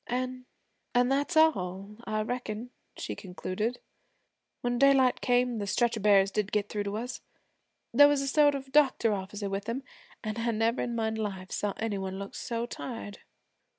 'An' an' that's all, I reckon,' she concluded. 'When daylight came, the stretcher bearers did get through to us. There was a sort of doctor officer with them, an' I never in my life saw any one look so tired.